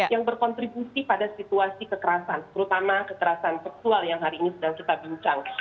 yang berkontribusi pada situasi kekerasan terutama kekerasan seksual yang hari ini sedang kita bincang